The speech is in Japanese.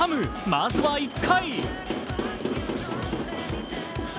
まずは１回。